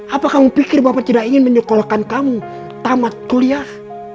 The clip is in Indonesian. apa kamu pikir bapak tidak ingin menyekolahkan kamu tamat kuliah